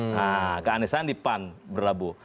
nah ke anisandi pan berlabuh